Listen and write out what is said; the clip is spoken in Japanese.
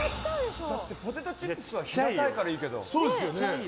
ポテトチップスは平たいからいいけど。